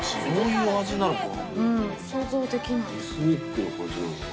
エスニックな感じなのかな？